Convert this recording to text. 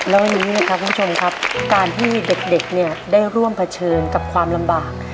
แล้ววันนี้นะครับคุณผู้ชมครับการที่เด็กเนี่ยได้ร่วมเผชิญกับความลำบาก